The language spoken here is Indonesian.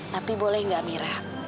tapi boleh gak amira